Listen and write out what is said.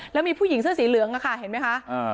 แล้วมีผู้หญิงเสื้อสีเหลืองค่ะเห็นไหมคะ